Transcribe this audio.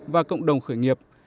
và cộng đồng khởi nghiệp